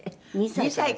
「２歳から」